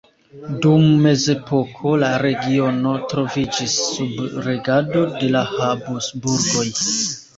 Dum mezepoko la regiono troviĝis sub regado de la Habsburgoj.